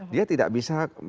dia tidak bisa melakukan